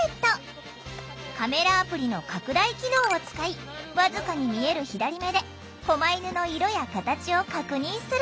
カメラアプリの拡大機能を使い僅かに見える左目でこま犬の色や形を確認する！